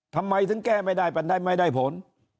ทำไมถึงแก้ไม่ได้เป็นได้ไม่ได้ผล